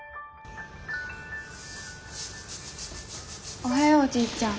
・おはようおじいちゃん。